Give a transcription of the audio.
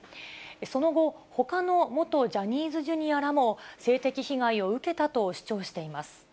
その後、ほかの元ジャニーズＪｒ．らも性的被害を受けたと主張しています。